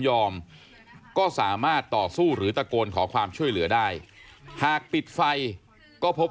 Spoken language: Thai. ร้องร้องร้องร้องร้องร้องร้องร้องร้อง